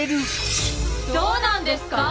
どうなんですか？